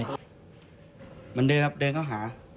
เหมือนเดิมครับเดินเข้าหา